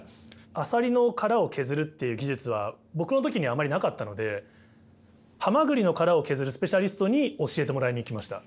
アサリの殻を削るっていう技術は僕の時にあまりなかったのでハマグリの殻を削るスペシャリストに教えてもらいに行きました。